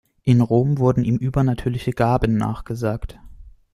In Rom wurden ihm übernatürliche Gaben nachgesagt.